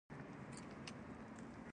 چای د ادبي مجلس خوند دی